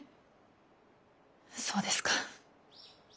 そうですか。